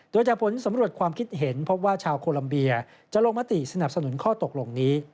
โดยจากผลสำรวจความคิดเห็นพบว่าชาวโคลัมเบียจะลงมติสนับสนุนข้อตกลงนี้